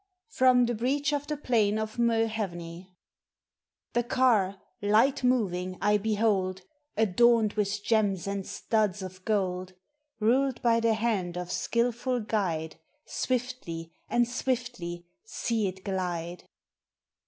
* ROM " THE BREACH OF THE PLAIN OF MUIRHEVNEY." The car, light moving, I behold, Adorned with gems and studs of gold; Ruled by the hand of skilful guide, Swiftly — and swiftly — see it glide!